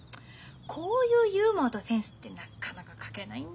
こういうユーモアとセンスってなかなか書けないんだよねえ。